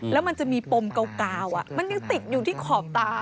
แล้วมันจะมีปมกาวมันยังติดอยู่ที่ขอบตา